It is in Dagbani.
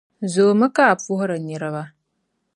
zoomi ka a puhiri niriba.